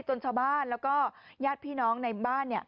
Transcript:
จนชาวบ้านแล้วก็ญาติพี่น้องในบ้าน